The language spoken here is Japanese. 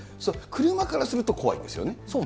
車からすると、怖いんですよね。